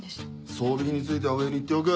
装備品については上に言っておく。